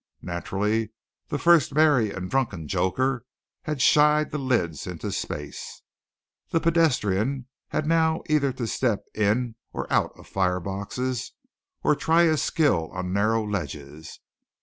Naturally the first merry and drunken joker had shied the lids into space. The pedestrian had now either to step in and out of fire boxes or try his skill on narrow ledges!